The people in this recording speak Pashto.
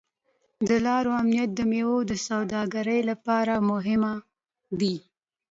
د لارو امنیت د میوو د سوداګرۍ لپاره مهم دی.